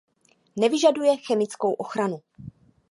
Nevyžaduje chemickou ochranu.